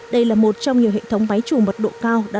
đây là một trong nhiều hệ thống máy chủ mật độ cao